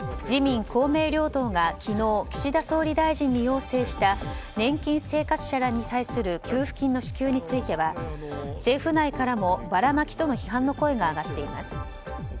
自民・公明両党が昨日、岸田総理大臣に要請した年金生活者らに対する給付金の支給については政府内からも、ばらまきとの批判の声が上がっています。